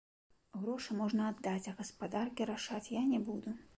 Грошы можна аддаць, а гаспадаркі рашаць я не буду.